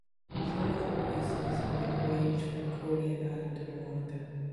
Some of her pieces have been arranged for accordion and harmonica.